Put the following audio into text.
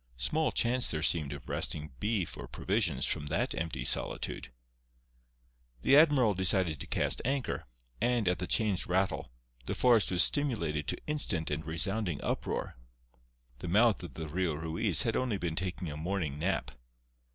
Small chance there seemed of wresting beef or provisions from that empty solitude. The admiral decided to cast anchor, and, at the chain's rattle, the forest was stimulated to instant and resounding uproar. The mouth of the Rio Ruiz had only been taking a morning nap.